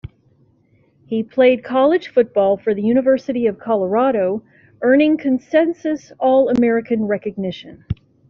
He played college football for the University of Colorado, earning consensus All-American recognition.